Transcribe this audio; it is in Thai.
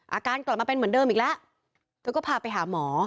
อาการกลับมาเป็นเหมือนเดิมอีกแล้วเธอก็พาไปหาหมอ